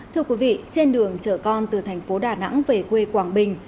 thưa quý vị trên đường chở con từ thành phố đà nẵng về quê quảng bình